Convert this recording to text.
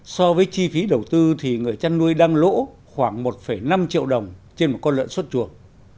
so với chi phí đầu tư thì người chăn nuôi đang lỗ khoảng một năm triệu đồng trên một con lợn xuất chuồng